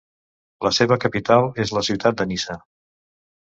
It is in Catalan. La seva capital és la ciutat de Niça.